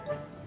gapapa tuh kum